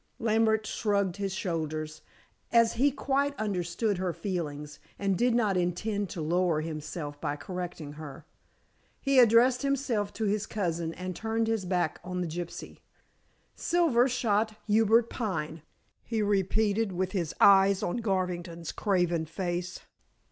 Lambert shrugged his shoulders, as he quite understood her feelings, and did not intend to lower himself by correcting her. He addressed himself to his cousin and turned his back on the gypsy. "Silver shot Hubert Pine," he repeated, with his eyes on Garvington's craven face.